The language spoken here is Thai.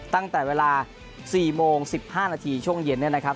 ตั้งแต่เวลา๔โมง๑๕นาทีช่วงเย็นเนี่ยนะครับ